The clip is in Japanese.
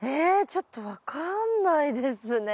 ちょっと分かんないですね。